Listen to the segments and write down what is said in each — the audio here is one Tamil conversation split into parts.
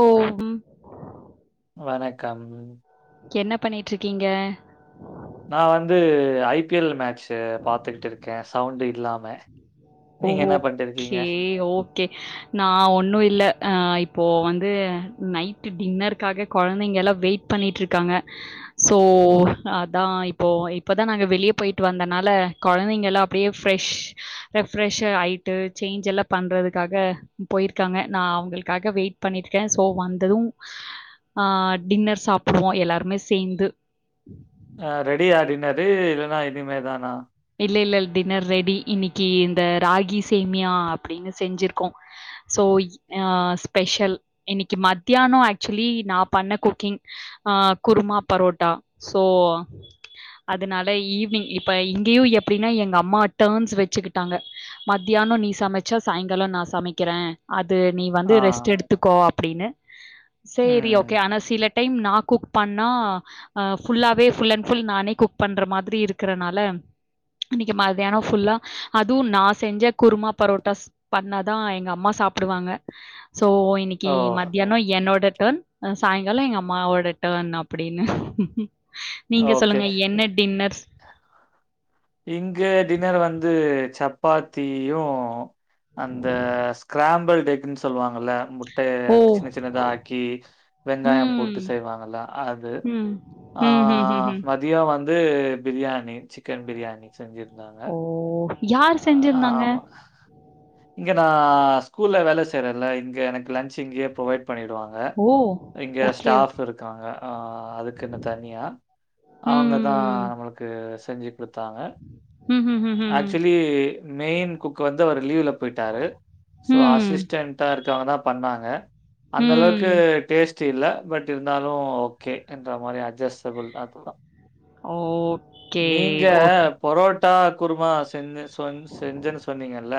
ஓ ம் வணக்கம் என்ன பண்ணிட்டுருக்கீங்க நா வந்து ஐ பி எல் மேட்சு பாத்துக்கிட்டுருக்கே சவுண்டு இல்லாம ஓ நீங்க என்ன பண்ணிட்டு இருக்கீங்க? ஓகே ஓகே நா ஒன்னு இல்ல அ இப்போ வந்து நைட்டு் டின்னருக்காக கொழந்தைங்கெல்லா வெயிட் பண்ணிட்டுருக்காங்க சோ அதா இப்போ இப்பதா நாங்க வெளியே போயிட்டு வந்தனால கொழந்தைங்கலா அப்டியே ஃப்ரெஷ் ரெஃப்ரெஷ்லாயிட்டு சேஞ்செ ல்லா பண்ணுறதுக்காக போயிருக்காங்க நா அவுங்களுக்காக வெயிட் பண்ணிட்ருக்கே சோ வந்தது ஆ டின்னர் சாப்பிடுவோ எல்லாருமே சேந்து அ ரெடியா டின்னரு இல்லன்னா இனிமே தானா இல்லேல்ல டின்னர் ரெடி இன்னைக்கி இந்த ராகி சேமியா அப்டின்னு செஞ்சிருக்கோ சோ அ ஸ்பெஷல் இன்னைக்கி மத்தியானோ ஆக்சுவலி நா பண்ண குக்கிங் ஆ குருமா பரோட்டா சோ அதனால ஈவி்னிங் இப்ப இங் கியு எப்படின்னா எங்க அம்மா டர்ம்ஸ் வச்சுக்கிட்டாங்க மத்தியானோ நீ சமைச்சா சாயங்காலோ நா சமைக்கிறே அது நீ ஆ. வந்து ரெஸ்ட் எடுத்துக்கோ அப்பிடின்னு சேரி ம். ஓகே ஆனா சில டைம் நா குக் பண்ணா அ ஃபுல்லாவே ஃபுல் அண்ட் ஃபுல் நானே குக் பண்ற மாதிரி இருக்கறனால இன்னைக்கி மத்தியானோ ஃபுல்லா அதுவு நா செஞ்ச குருமா பரோட்டாஸ் பண்ணாதா எங்க அம்மா சாப்பிடுவாங்க சோ இன்னைக்கி ஓ! மத் தியான்னோ என்னோட டர்ன் சாய்ங்காலோ எங்க அம்மாவோட டர்ன் அப்புடின்னு நீங்க ஓகே. சொல்லுங்க என்ன டின்னர்ஸ் இங்க டின்னர் வந்து சப்பாத்தியு அந்த ஸ்கிராம்பல்ட் எக்னு சொல்வாங்கல ட்ட ஓ! சின்ன சின்னதா ஆக்கி வெங்காய ம். போட்டு செய்வாங்கல அது ம். ஆ ம்ஹ்ஹ்ம். மதியொ வந்து பிரியாணி சிக்கன் பிரியாணி செஞ்சிருந்தாங்க ஓ யார் செஞ்சிருந்தாங்க? ஆமா இங்க நா ஸ்கூல்ல வேல செய்றல இங்க எனக்கு லன்ச் இங்கயே ப்ரொவைட் பண்ணிடுவா ங்க ஓ! இங்க ஓகே. ஸ்டாஃப் ஓகே இருக் இருக்காங்க அ அதுக்குனு தனியா அவங்கதா ம். நம்மளுக் கு செஞ்சு குடுத்தாங்க ஹு ஹு ஹு ஹு ம் ம். கு மெயின் குக் வந்து அவர் லீவ்ல போயிட்டாரு ம் சோ ம் அசிஸ்டன்ட் தா இருக்கவங்கதா பண்ணாங்க அந்தளவுக்கு ம் டேஸ்ட் ட் இல்ல பட் இருந்தாலு ஓகே என்ற மாரி அட்ஜஸ்டபிள் அதுதா ஓகே. நீங்க ஓகே. பரோட்டா குருமா செஞ்ச சொன் செஞ்சன் சொன்னீங்கல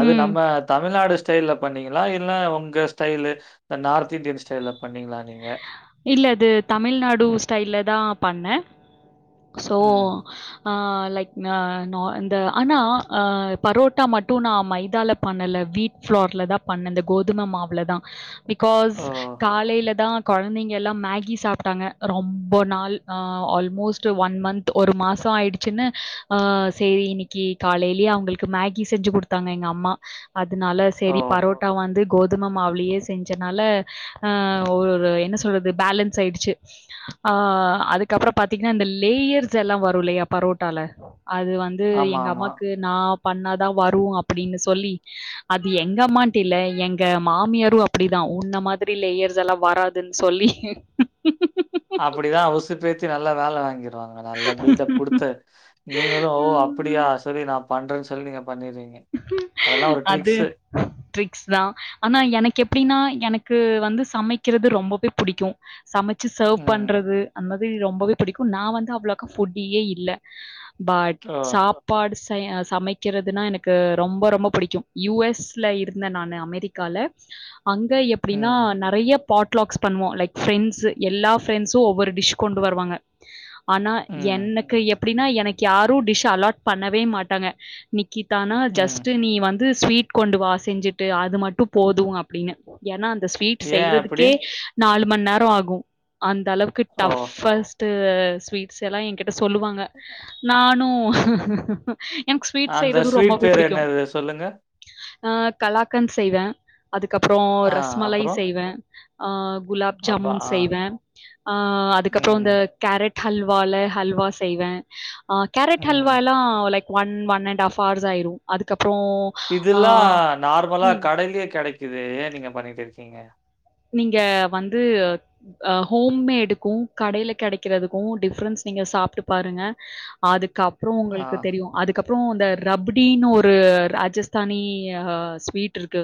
அது ம். நம்ம தமிழ்நாடு ஸ் ஸ்டைல்ல பண்ணீங்களா இல்ல உங்க ஸ்டைலு இந்த நார்த் இந்தியன் ஸ்டைல்ல பண்ணீங்களா நீங்க இல்ல அது தமிழ்நாடு ஸ்டைல்ல தா பண்ண சோ ம். ஆ லைக் இந்த ஆனா பரோட்டா மட்டு நா மைதால பண்ணல வீட் புளோர்லதா பண்ண இந்த கோதும மாவுலதா பிகாஸ் ஓ! காலைல தா கொழந்தைங்கலா மேகி சாப்டாங்க ரொம்ப நாள் ஆல்மோஸ்ட் ஒன் மந்த ஒரு மாசொ ஆயிடுச்சுனு ஆ செரி இன்னிக்கு காலைலியே அவங்களுக்கு மேகி செஞ்சு குடுத்து தாங்க எங்க அம்மா அதனால ஓ! சரி பரோட்டா வந்து கோதும மாவுலயே செஞ்சனால ஆ ஒரு என்ன சொல்றது பேலன்ஸ் ஆயிடுச்சு ஆ அதுக்கப்றொ பாத்தீங்கனா இந்த லேயர்ஸ் எல்லா வரு இல்லையா பரோட்டால அது வந் து ஆமா, எங்க ஆமா. அம்மாக்கு நா பண்ணாதா வரு அப்டினு சொல்லி அது எங்க அம்மான்ட்ட இல்ல எங்க மாமியாரு அப்டிதா உன்ன மாதிரி லேயர் இதெல்லா வராதுன் சொல்லி அப்டிதா உசுப்பேத்தி நல்லா வேல வாங்கிரு வாங்க நல்லா பில்டப் குடுத்து நீங்களூ ஓ அப்பிடியா சொல்லி நா பண்றன் சொல்லி நீங்க பண்ணிர்ரீங்க அது ட்ரிக்ஸ் தா ஆனா எனக்கு எப்டினா எனக்கு வந்து சமைக்கிறது ரொம்பவே புடிக்கும் சமச்சு சர்வ் ம். பண்றது அந் மாதிரி ரொம்பவே பிடிக்கும் நா வந்து அவ்வளக்கா ஃபுட்டியே இல்ல பட் ஓ! சாப்பாடு செ சமைக்கிறதுனா எனக் ரொம்ப ரொம்ப புடிக்கு யூ எஸ்ல இருந்தே நானு அமெரிக்கால அங்க எப் அப்டினா ம். நறைய பாட்லாக்ஸ் பண்வோ லைக் ஃப்ரெண்ட்ஸூ எல்லா ஃப்ரெண்ட்ஸு ஒவ்வொரு டிஷ் கொண்டு வருவாங்க ஆனா ம். என்க்கு எப்டினா எனக்கு யாரு டிஷ் அலாட் பண்ணவே மாட்டாங்க நிக்கிட் தானா ம். ஜஸ்ட்டு நீ வந்து ஸ்வீட் கொண்டு வா செஞ்சுட்டு அது மட்டும் போது அப் ப்டின் ஏனா அந்த ஸ்வீட் ஏன் அப்படி? செய்யறதுக்கே நாலு மணி நேரொ ஆகு அந்தளவுக் ஓ! டஃப்ஃபஸ்ட்டு ஸ்வீட்ஸ் எல்லா எங்கிட்ட சொல்லுவாங்க [inaudible] நானு எனக் ஸ்வீட் செய் அந்த ஸ்வீட் பேர் என்னது சொல்லுங்க ஆ கலாக்கந் செய்வே அதுக்கப்றோ ஆ, ரஸ் மலாய் அப்புறம்? செய்வே அ குலாப் அப்பா ஜாமுன் ஆ. செய்வே அ அதுக்கப்றோ ம். இந்த கேரட் ஹல்வால ஹல்வா செய்வே அ கேரட் ம். ஹல்வால்லா like one one and half hours ஆய்ரு அதுக்கப்றோ இதெல்லா நார்மலா கடைலே கெடைக்குதே ஏ நீங்க பண்ணிட்டுருக்கீங்க நீங்க வந்து அ ஹோம்மேடுக்கு கடைல கெடைக்கிறதுக்கு டிஃப்ரென்ஸ் நீங்க சாப்ட்டு பாருங்க அதுக்கப்றோ ஆ, உங்கள்க்கு தெரியு அதுக் கப்றோ இந்த ரபிடின் ஒரு ராஜஸ்தானி ய ஹ ஸ்வீட்ருக்கு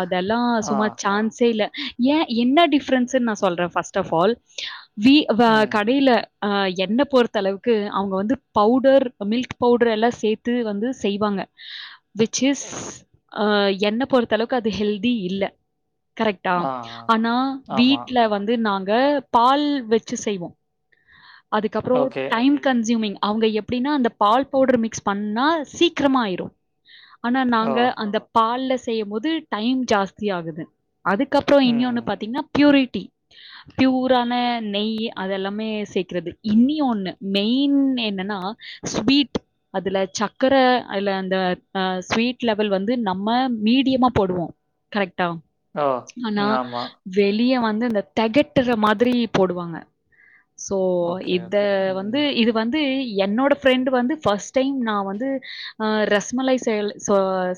அதெல்லா ஆ, சும்மா சான்ஸே இல்ல ஏ என்ன டிஃப்ரன்ஸ்ஸுன் நா சொல்றே ஃபஸ்ட்ட ஃபால் வீ வ ம். கடைல அ என்ன பொறுத்தளவுக்கு அவுங்க வந்து பவுடர் அ மில்க் பவுடர் எல்லா சேத்து வந்து செய்வாங்க விச் இஸ் அ என்ன பொறுத்தளவுக்கு அது ஹெல்தி இல்ல ஆ அ நா வீட்ல வந்து நாங்க பால் வெச்சு செய்வோ அதுக்கப்றோ ஓகே. டைம் கன்ஸ்யூமிங் அவுங்க எப்டின்னா அந்த பால் பவுட்ரு மிக்ஸ் பண்ணால் சீக்கிரமா ஆயிரு ஆனா ஓ! நாங்க அந்த பால்ல செய்யம்போது டைம் ஜாஸ்தி ஆகுது அதுக் கப்றோ ம். இன்யொன்னு பாத்தீங்னா ப்யூரிட்டி ப்யூரான நெய் அதெல்லாமே சேக்கிறது இனியொன்னு மெய்ன் என்னனா ஸ்வீட் அதுல சக்கர இல்ல அந்த அ ஸ்வீட் லெவல் வந்து நம்ம மீடியமா போடுவோ கரெக்டா ஓ! ஆனா ம். ஆமா. வெளிய வந்து இந்த தெகட்ற மாதிரி போடுவாங்க சோ ஓகே, இத ஓகே. ம், வந்து இது வந்து என்னோட ஃப்ரெண்ட் வந்து ஃபஸ்ட் டைம் நா வந்து அ ரஸ் மலாய் செயல் சோ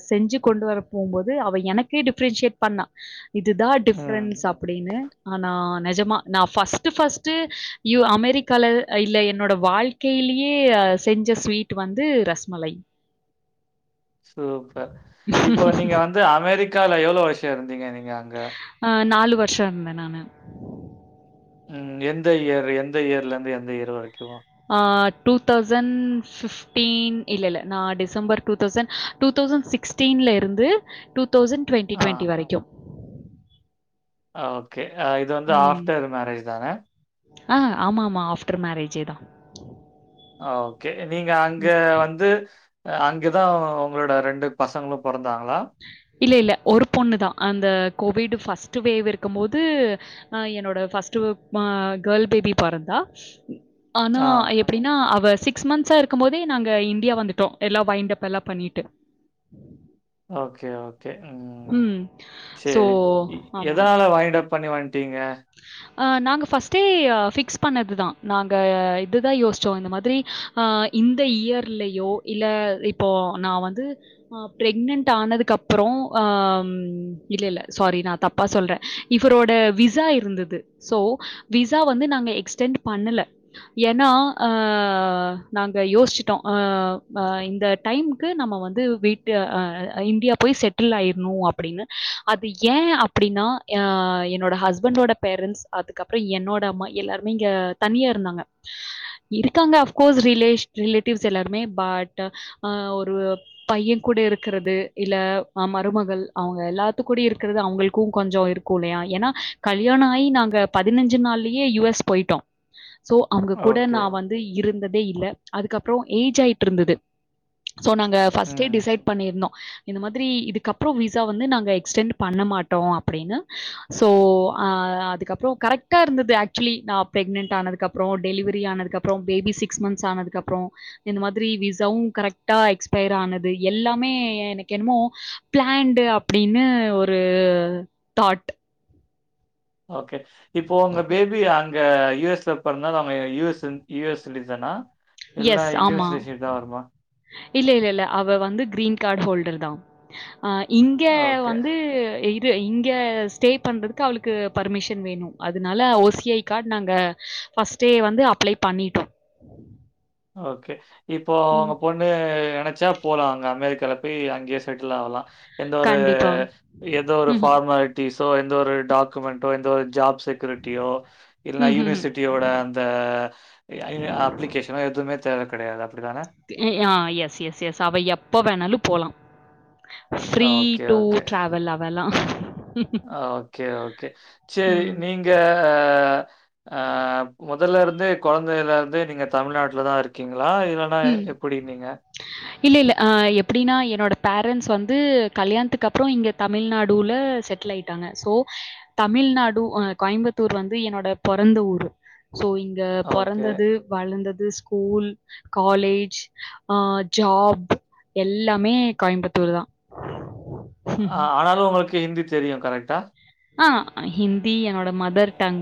செஞ்சு கொண்டு வர போம்போது அவ எனக்கே டிஃப்ரென்ஷியேட் பண்ணா இதுதா ம். டிஃப்ரன்ஸ் அப்டினு ஆனா நெஜமா நா ஃபஸ் ட்டு ஃபஸ்ட்டு யூ அமெரிக்கால இல்ல என்னோட வாழ்க்கைலியே அ செஞ்ச ஸ்வீட் டு வந்து ரஸ் மலய் சூப்பர் இப்போ நீங்க வந்து அமெரிக்கால எவ்ளோ வர்ஷோ இருந்தீங்க நீங்க அங்க அ நாலு வர்ஷோ இருந்தே நானு ம் எந்த இயரு எந்த இயர்லர்ந்து எந்த இயர் வரைக்கு அ டூ தௌசண் ஃபிஃப் டீன் இல்ல இல்ல நா December two thousand two thousand சிக்ஸ்டீன்லருந்து டூ தௌசண்ட் ட்வெண்ட்டி ஆ. ட்வெண்ட்டி வரைக்கு அ ஓகே அ இது வந்து ம். ஆஃப்டர் மேரேஜ் தான ஆ ஆமாமா ஆஃப்ட்ரு மேரேஜே தா அ ஓகே நீங்க அங்க ம். வந்து அ அங்கதா உங்களோட ரெண்டு பசங்களு பொறந்தாங்ளா இல்ல இல்ல ஒரு பொண்ணு தா அந்த கோவிடு ஃபஸ்ட்டு வேவ் இருக்கமோது அ என்னோட ஃபஸ்ட்டு ம கேள் பேபி பொறந்தா ஆனா ஆ. எப்டின்னா அவ சிக்ஸ் மன்ஸ்ஸா இருக்கம்போதே நாங்க இந்தியா வந்துட்டோ எல்லா வைண்டப் எல்லா பண்ணீட்டு உம் ஓகே ஓகே ம் ஸோ சேரி ஆமா. எதால வாங்கிட பண்ணி வன்ட்டீங்க அ நாங்க ஃபர்ஸ்ட்டே ஃபிக்ஸ் பண்ணதுதா நாங்க இதுதா யோசிச்சோ இந்த மாதிரி ஆ இந்த இயர்லயோ இல்ல இப்போ நா வந்து ப்ரெக்னண்ட் ஆனதுக்கு அப்றோ இல்ல இல்ல சாரி நா தப் பா சொல்ற இவரோட விசா இருந்தது சோ விசா வந்து நாங்க எக்ஸ்டெண்ட் பண்ணல ஏன்னா அஹ் நாங்க யோசிச்சுட்டோ அஹ் இந்த டைமுக்கு நம்ம வந்து வீட்டு அ இந்தியா போய் செட்டில் ஆயிர்ணு அப்டின்னு அது ஏ அப் அப்டின்னா அ என்னோட ஹஸ்பண்டோட பேரண்ட்ஸ் அதுக்கப்றோ என்னோட அம்மா எல்லாருமே இங்க தனியா இருந்தாங்க இருக்காங்க அஃப்கோர்ஸ் ரிலேஷ் ரிலேட்டிவ்ஸ் எல்லாருமே பட் அ ஒரு பைய கூட இருக்கிறது இல்ல மருமகள் அவுங்க எல்லாத்து கூடயு இருக்கறது அவுங்களுக்கும் கொஞ்சோ இருக்கு கூலயா ஏன்னா கல் கல்யாண ஆயி நாங்க பதினஞ்சு நாள்லியே யூ எஸ் போயிட்டோ சோ அவங்க கூட ஓகே. நா வந்து இருந்ததே இல்ல அதுக்கப்றோ ஏஜ் ஆயிட்டு இருந்தது சோ நாங்க ஃபர்ஸ்டே ம். டிசைட் பண்ணியிருந்தோ இந்த மாதிரி இதுக்கப்புறோ விசா வந்து நாங்க எக்ஸ்டெண்ட் பண்ண மாட்டோ அப்டின்னு சோ அதுக்கப்றோ கரெக்டா இருந்தது ஆக்சுலி நா பிரெக்னன்ட் ஆனதுகப்றோ டெலிவரி ஆனதுகப் அப்றோ பேபி சிக்ஸ் மந்த்ஸ் ஆனதுக்கு அப்றோ இந்த மாதிரி விசாவு கரெக்டா எக்ஸ்பயர் ஆனது எல்லாமே எனக்கு என்னமோ பிளான்டு அப்டின்னு ஒரு தாட் ஓகே இப்போ உங்க பேபி அங் க யூ எஸ் ல பிறந்தனால அவங்க யூ எஸ் யூ எஸ் சிட்டிசன்னா இல்ல எஸ். இண்டியன் ஆமா. சிட்சீஷ் தா வருமா இல்ல இல்ல இல்ல அவ வந்து கிரீன் கார்டு ஹோல்டர் தா அ இங்க ஓகே. வந்து இப் இங்க ஸ்டே பண்றதுக்கு அவளுக்கு பர்மிஷன் வேணு அதனால ஓ சி ஐ கார்ட் நாங்க ஃபஸ்ட்டே வந்து அப்ளை பண்ணிட்டோ ஓகே இப்போ உங்க பொண் ணு நெனச்சா போலா அங்க அமெரிக்கால போய் அங்கே செட்ல் ஆவலா எந்த ஒரு கண்டிப்பா. எந்த ஒரு சூப்பர். ம்ஹ்ம். ஃபார்மாலிட்டிஸோ எந்த ஒரு டாக்குமெண்டோ எந்த ஒரு ஜாப் செக் கிரிடியோ இல் ம்ஹ்ஹ்ம். யூனிவர்சிட்டியோட அந்த அப்ளிகேஷ ஏனா எதுமே தேவ கெடையாது அப்டித்தான ஆ எஸ் எஸ் எஸ் அவ எப்ப வேணாலு போலாம் free okay, two okay. Travel அவ லா ஓகே ஓகே சரி ம். நீங்க ஆ முதல்ல இருந்தே கொழந்தைல இருந்தே நீங்க தமிழ்நாட்டுல தா இருக்கீங்களா இல்ல னா ம். எப்டி நீங்க இல்ல இல்ல அ எப்டின்னா என்னோட பேரண்ட்ஸ் வந்து கல்யாணத்துக்கு அப்றோ இங்க தமிழ்நாடுல செட்டில் ஆயிட்டாங்க ஸோ தமிழ்நாடு் அ கோயம்புத்தூர் வந்து என்னோட பொறந்த ஊர் சோ அ ஓகே. பொறந்தது வளந்தது ஸ்கூல் காலேஜ் அஹ் ஜாப் எல்லாமே கோயம்புத்தூர் தா ஆ ஆனாலு உங்களுக்கு ஹிந்தி தெரியு கரெக்டா ஆ ஹிந்தி என்னோட மதர் டங்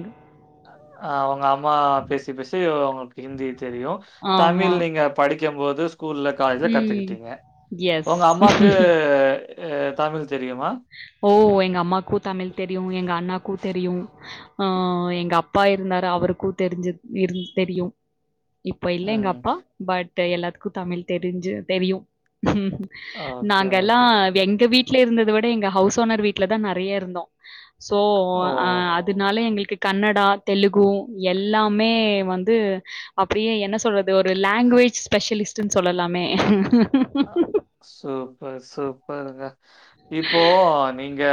ஆ உங்க அம்மா பேசி பேசி உங்களுக்கு ஹிந்தி தெரியு ஆமா. தமிழ் நீங்க படிக்கு போது ஸ்கூல்ல காலேஜ்ல ம். கத்துக்கிட்டீங்க எஸ். உங்க அம்மாக்கு தமிழ் தெரியுமா ஓ எங்க அம்மாக்கு தமிழ் தெரியு எங்க அண்ணாக்கு தெரியு ஆ எங்க அப்பா இருந்தாரு அவருக்கு தெரிஞ்சு இரு தெரியு இப்போ இல்ல எங்க ம். அப்பா பட் எல்லாத்துக்கு தமிழ் தெரிஞ்சு தெரியு ஓகே, நாங்கல்லா ஓகே. எங்க வீட்டுல இருந்தத விட எங்க ஹவுஸ் ஓனர் வீட்டுலதா நெறைய இருந்தோ சோ ஓ! அ அதுனால எங்களுக்கு கன்னடா தெலுகு எல்லாமே வந்து அப்டியே என்ன சொல்றது ஒரு லாங்குவேஜ் ஸ்பெஷலிஸ்ட்ன்னு சொல்லலாமே அ சூப்பர் சூப்பருங்க இப்போ நீங்க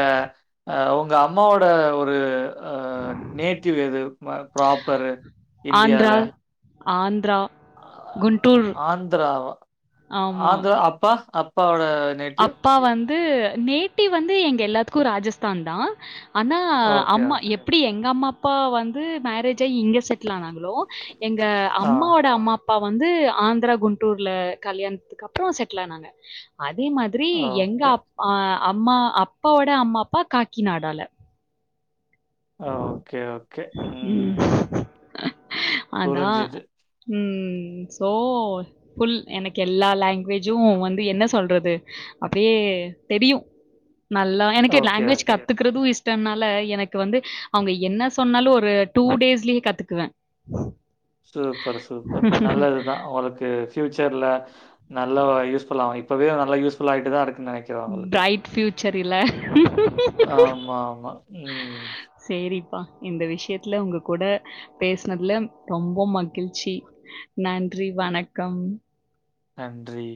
எ உங்க அம்மாவோட ஒரு ஆ நேட்டிவ் எது ப்ராப்பரு ஆந்திரா, இந்தியால ஆந்திரா ஆ குண்டூர் ஆந்திராவா ஆமா. ஆந்திரா அப்பா அப்பாவோட நேட்டிவ் அப்பா வந்து நேட்டிவ் வந்து எங்க எல்லாத்துக்கு ராஜஸ்தான் தா ஆனா ஓகே, அம்மா ஓகே. எப்டி எங்க அம்மா அப்பா வந்து மேரேஜ் ஆகி இங்க செட்டில் ஆனாங்க ளோ எங்க ஆ. அம்மாவோட அம்மா அப் பா வந்து ஆந்திரா குண்டூர்ல கல்யாணத்துக்கு அப்றோ செட்டில் ஆனாங்க அதே மா ரி எங்க ஓகே. அப் அ அம்மா அப்போட அம்மா அப்பா காக்கி நாடால ஆ ஓகே ஓகே ம் அதான். புரிஞ்சுது ம் சோ புல் எனக்கு எல்லா லாங்குவேஜு வந்து என சொல்றது அப்டியே தெரியு நல்லா எனக்கு ஓகே லாங்குவேஜ் ஓகே. கத்துக்கறது இஷ்டம்னால எனக்கு வந்து அவுங்க என சொன்னாலு ஒரு டூ டேஸ்லயே கத்துக்குவே சூப்பர் சூப்பர் நல்லதுதா ஒங்ளுக்கு ஃப்யூச்சர்ல நல்ல யூஸ்ஃபுல் ஆ இப்பவே நல்ல யூஸ்புல் ஆயிட்டு தா இருக்கு நென ஃபிரைட் ஃப்யூச்சர் இல்ல ஆமா ஆமா ம் சேரிப்பா இந்த விஷயத்துல உங்க கூட பேசனதுல ரொம்ப மகிழ்ச்சி நன்றி வணக்கம் நன்றி